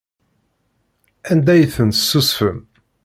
Anda ay tent-tessusfem?